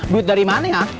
duit dari mana ya